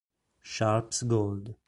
Sharpe's Gold